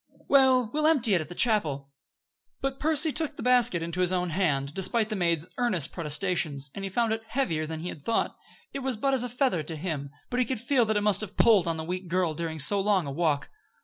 "Well, we'll empty it at the chapel." But Percy took the basket into his own hand, despite the maid's earnest protestations, and he found it heavier than he had thought. It was but as a feather to him, but he could feel that it must have pulled on the weak girl during so long a walk.